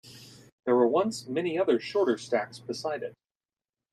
There were once many other shorter stacks beside it.